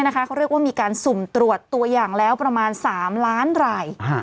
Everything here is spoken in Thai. เขาเรียกว่ามีการสุ่มตรวจตัวอย่างแล้วประมาณ๓ล้านราย